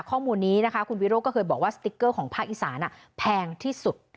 ข้อมูลนี้นะคะคุณวิโรธก็เคยบอกว่าสติ๊กเกอร์ของภาคอีสานแพงที่สุด